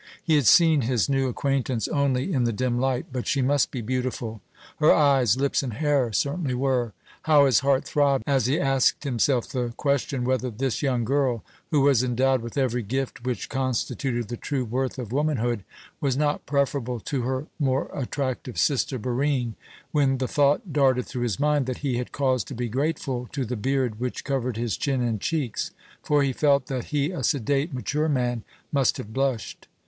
He had seen his new acquaintance only in the dim light, but she must be beautiful. Her eyes, lips, and hair certainly were. How his heart throbbed as he asked himself the question whether this young girl, who was endowed with every gift which constituted the true worth of womanhood, was not preferable to her more attractive sister Barine! when the thought darted through his mind that he had cause to be grateful to the beard which covered his chin and cheeks, for he felt that he, a sedate, mature man, must have blushed.